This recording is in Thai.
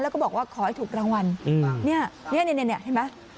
แล้วก็บอกว่าขอให้ถูกรางวัลเนี่ยเห็นไหม